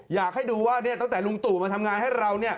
อยากให้ดูว่าตั้งแต่ลุงตู่มาทำงานให้เรา